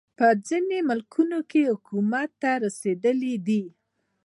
په ځینو ملکونو کې حکومت ته رسېدلی دی.